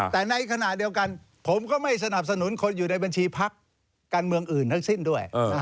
แต่ในขณะเดียวกันผมก็ไม่สนับสนุนคนอยู่ในบัญชีพักการเมืองอื่นทั้งสิ้นด้วย